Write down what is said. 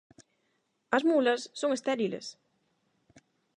As mulas son estériles.